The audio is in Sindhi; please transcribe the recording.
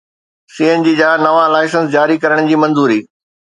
سي اين جي جا نوان لائسنس جاري ڪرڻ جي منظوري